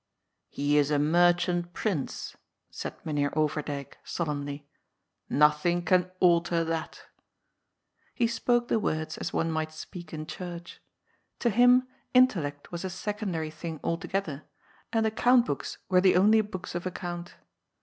"He is a merchant prince," said Mynheer Overdyk solemnly. " Nothing can alter that." He spoke the words as one might speak in church. To him intellect was a sec ondary thing altogether, and account books were the only books of account.